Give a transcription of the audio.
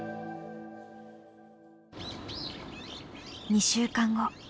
２週間後。